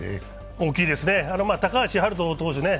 大きいですね、高橋遥人投手